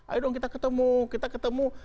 ayo dong kita ketemu kita ketemu